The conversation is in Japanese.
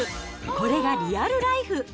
これがリアルライフ！